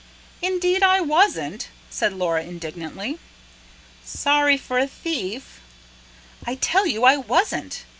"Indeed I wasn't!" said Laura indignantly. "Sorry for a thief?" "I tell you I WASN'T!"